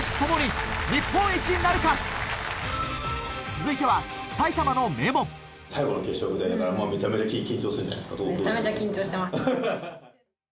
続いては埼玉の名門最後の決勝舞台だからめちゃめちゃ緊張するじゃないですか。